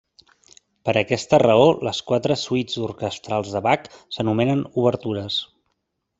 Per aquesta raó les quatre suites orquestrals de Bach s'anomenen obertures.